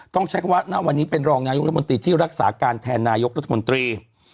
ต้องใช้คำว่าณวันนี้เป็นรองนายกรัฐมนตรีที่รักษาการแทนนายกรัฐมนตรี